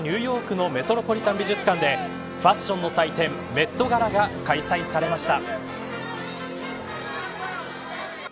アメリカ、ニューヨークのメトロポリタン美術館でファッションの祭典メットガラが開催されました。